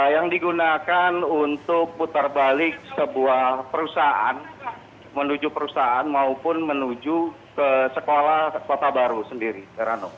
yang digunakan untuk putar balik sebuah perusahaan menuju perusahaan maupun menuju ke sekolah kota baru sendiri